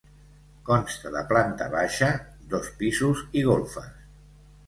Consta de plata baixa, dos pisos, i golfes.